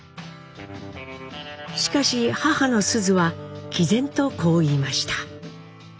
しかし母の須壽はきぜんとこう言いました。